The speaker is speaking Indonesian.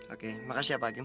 oke makasih ya pak hakim